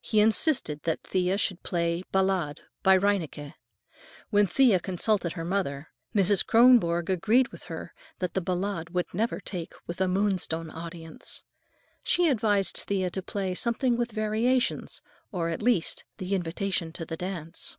He insisted that Thea should play a "Ballade" by Reinecke. When Thea consulted her mother, Mrs. Kronborg agreed with her that the "Ballade" would "never take" with a Moonstone audience. She advised Thea to play "something with variations," or, at least, "The Invitation to the Dance."